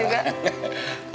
orang serius juga